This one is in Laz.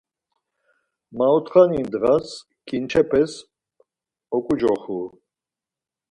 Maotxani ndğas ǩinçepes oǩucoxu.